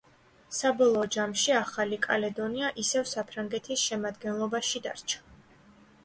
საბოლოო ჯამში ახალი კალედონია ისევ საფრანგეთის შემადგენლობაში დარჩა.